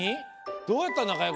どうやったらなかよく。